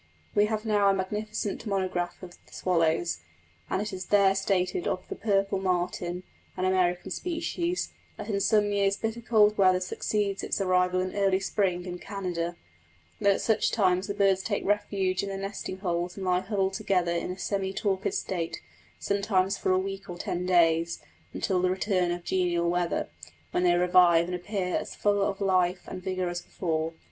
We have now a magnificent monograph of the swallows, and it is there stated of the purple martin, an American species, that in some years bitter cold weather succeeds its arrival in early spring in Canada; that at such times the birds take refuge in their nesting holes and lie huddled together in a semi torpid state, sometimes for a week or ten days, until the return of genial weather, when they revive and appear as full of life and vigour as before.